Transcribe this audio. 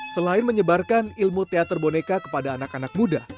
selain menyebarkan ilmu teater boneka kepada anak anak muda